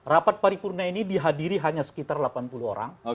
rapat paripurna ini dihadiri hanya sekitar delapan puluh orang